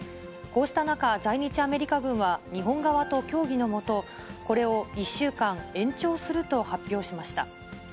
こうした中、在日アメリカ軍は日本側と協議の下、これを１週間延長すると発表しました。